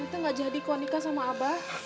nanti gak jadi kok nikah sama abah